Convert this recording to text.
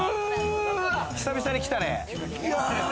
久々に来たね。